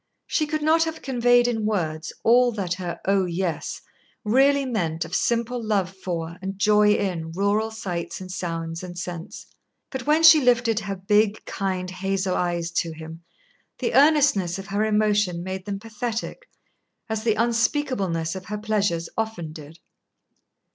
She could not have conveyed in words all that her "Oh, yes!" really meant of simple love for and joy in rural sights and sounds and scents. But when she lifted her big kind hazel eyes to him, the earnestness of her emotion made them pathetic, as the unspeakableness of her pleasures often did.